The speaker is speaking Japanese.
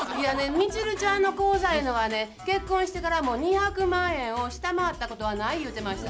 ミチルちゃんの口座ゆうのはね結婚してからも２００万円を下回ったことはない言うてました。